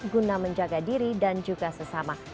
guna menjaga diri dan juga sesama